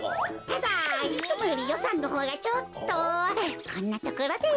ただいつもよりよさんのほうがちょっとこんなところで。